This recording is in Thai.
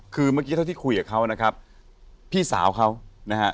คือเมื่อกี้เท่าที่คุยกับเขานะครับพี่สาวเขานะฮะ